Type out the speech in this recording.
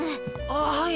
あっはい。